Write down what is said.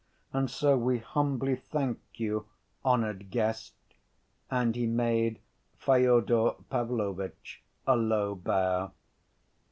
And so we humbly thank you, honored guest!" and he made Fyodor Pavlovitch a low bow.